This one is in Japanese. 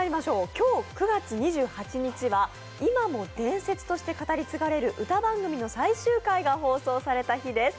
今日９月２８日は今も伝説として語り継がれる歌番組の最終回が放送された日です。